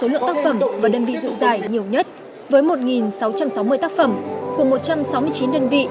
số lượng tác phẩm và đơn vị dự giải nhiều nhất với một sáu trăm sáu mươi tác phẩm của một trăm sáu mươi chín đơn vị